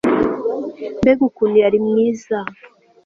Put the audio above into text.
mbega ukuntu yari mwiza